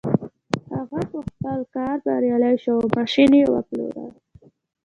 هغه په خپل کار بريالی شو او ماشين يې وپلوره.